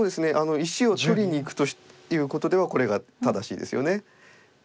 石を取りにいくということではこれが正しいですよね。